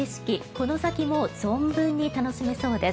この先も存分に楽しめそうです。